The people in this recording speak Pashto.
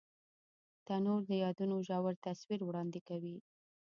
تنور د یادونو ژور تصویر وړاندې کوي